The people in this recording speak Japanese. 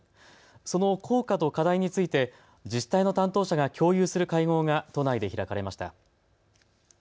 その効果と課題について自治体の担当者が共有する会合が都内で開かれました。